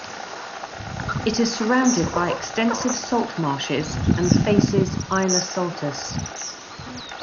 It is surrounded by extensive salt marshes and faces Isla Saltes.